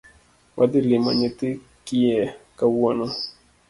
Wadhi limo nyithi kiye kawuono